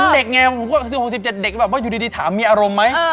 เด็กไงผมก็๑๖๑๗เด็กแบบว่าอยู่ดีถามมีอารมณ์ไหม